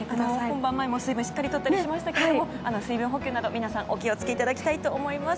本番前も水分を取りましたが水分補給など皆さんお気を付けいただきたいと思います。